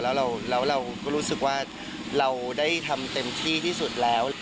แล้วเราก็รู้สึกว่าเราได้ทำเต็มที่ที่สุดแล้ว